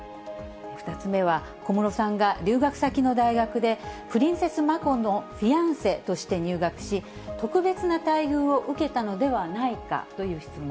２つ目は、小室さんが留学先の大学で、プリンセス・マコのフィアンセとして入学し、特別な待遇を受けたのではないかという質問。